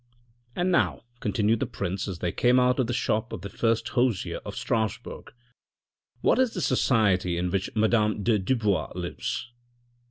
" And now," continued the prince as they came out of the shop of the first hosier of Strasbourg, " what is the society in which madame de Dubois lives